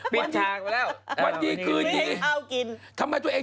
ปิดทางไปแล้ว